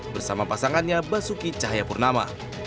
bersama pasangannya basuki cahayapurnama